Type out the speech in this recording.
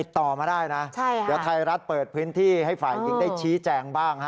ต่อมาได้นะเดี๋ยวไทยรัฐเปิดพื้นที่ให้ฝ่ายหญิงได้ชี้แจงบ้าง